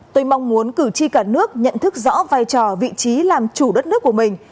tôi mong muốn cử tri cả nước nhận thức rõ vai trò vị trí làm chủ đất nước của mình